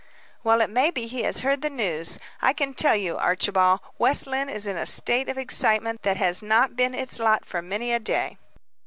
"Well, it may be he has heard the news. I can tell you, Archibald, West Lynne is in a state of excitement that has not been its lot for many a day."